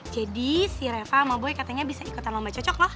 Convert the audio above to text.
jadi si reva sama boy katanya bisa ikutan lomba cocok loh